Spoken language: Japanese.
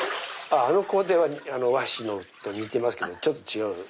あの工程は和紙と似てますけどちょっと違う？